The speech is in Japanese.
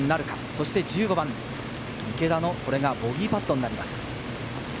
そして１５番、池田のこれがボギーパットになります。